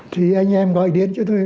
thì anh em gọi điện cho tôi